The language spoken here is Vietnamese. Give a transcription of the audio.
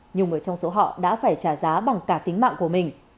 nhiều người trong số họ đã phải trả giá bằng cả tính mạng của mình